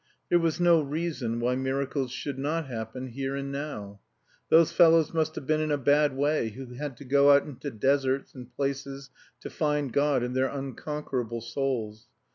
There was no reason why miracles should not happen, here and now. Those fellows must have been in a bad way who had to go out into deserts and places to find God and their unconquerable souls.